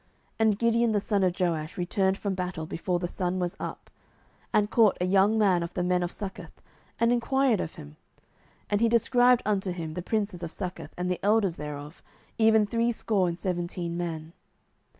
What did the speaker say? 07:008:013 And Gideon the son of Joash returned from battle before the sun was up, 07:008:014 And caught a young man of the men of Succoth, and enquired of him: and he described unto him the princes of Succoth, and the elders thereof, even threescore and seventeen men.